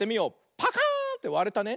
パカーンってわれたね。